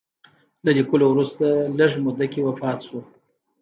له لیکلو وروسته لږ موده کې وفات شو.